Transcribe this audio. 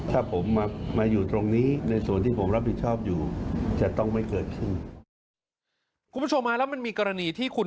ถ้าผมมาอยู่ตรงนี้ในส่วนที่ผมรับผิดชอบอยู่จะต้องไม่เกิดขึ้น